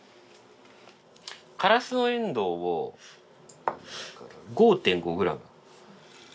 カラスノエンドウを５．５グラム。